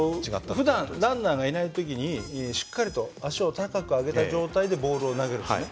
ふだんランナーがいない時にしっかりと足を高く上げた状態でボールを投げるんですね。